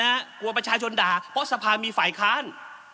น่าทำนะฮะกลัวประชาชนด่าเพราะสภาพมีฝ่ายค้าน